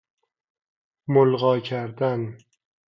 ملغی کردن